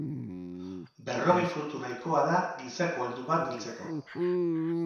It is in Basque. Berrogei fruitu nahikoa da gizako heldu bat hiltzeko.